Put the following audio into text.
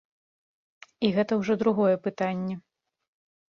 І гэта ўжо другое пытанне.